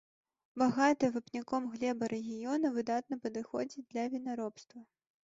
Багатая вапняком глеба рэгіёна выдатна падыходзіць для вінаробства.